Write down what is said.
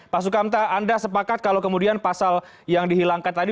pak sukamta anda sepakat kalau kemudian pasal yang dihilangkan tadi